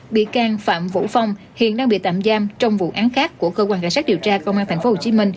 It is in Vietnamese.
bị can phạm vũ phong hiện đang bị tạm giam trong vụ án khác của cơ quan cảnh sát điều tra công an tp hcm